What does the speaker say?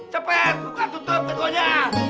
cepet buka tutup tekonya